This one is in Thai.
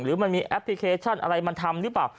หรือมันมีแอปพลิเคชันอะไรมาทำหรือเปล่า